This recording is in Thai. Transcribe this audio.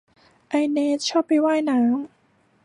ไอเนสชอบไปว่ายน้ำ